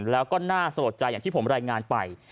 แล้วก็น่าสะลดใจอย่างที่ผมรายงานไป